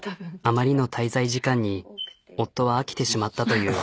あまりの滞在時間に夫は飽きてしまったという。